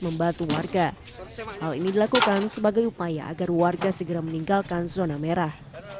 membantu warga hal ini dilakukan sebagai upaya agar warga segera meninggalkan zona merah